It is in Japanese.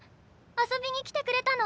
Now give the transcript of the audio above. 遊びに来てくれたの？